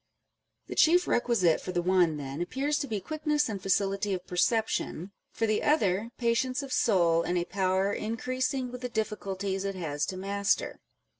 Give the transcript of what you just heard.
The chief requisite for the one, then, appears to be quickness and facility of perception â€" for the other, patience of soul, and a power increasing with the difficulties it has to master.